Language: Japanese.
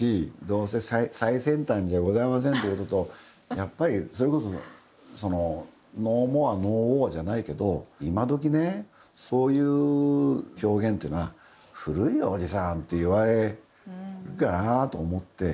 どうせ最先端じゃございませんってこととやっぱりそれこそそのＮｏＭｏｒｅＮｏＷａｒじゃないけど今時ね、そういう表現ていうのは古いよ、おじさんさんって言われるかなと思って。